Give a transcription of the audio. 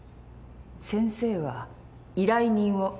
先生は依頼人を。